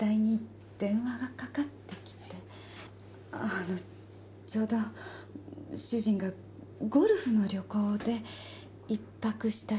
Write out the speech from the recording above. あのちょうど主人がゴルフの旅行で１泊した日だったんです。